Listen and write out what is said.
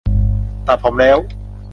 ตัดผมแล้ว